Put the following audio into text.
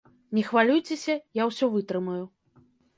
Не хвалюйцеся, я усе вытрымаю.